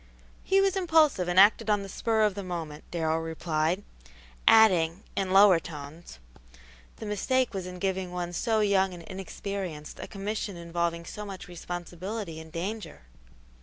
"He was impulsive and acted on the spur of the moment," Darrell replied; adding, in lower tones, "the mistake was in giving one so young and inexperienced a commission involving so much responsibility and danger."